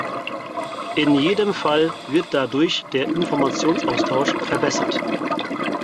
In jedem Fall wird dadurch der Informationsaustausch verbessert.